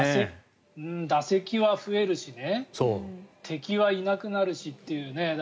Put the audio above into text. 打席は増えるし敵はいなくなるしというね。